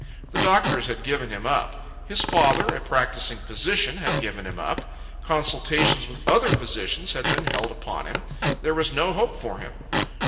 The doctors had given him up. His father, a practising physician, had given him up. Consultations with other physicians had been held upon him. There was no hope for him.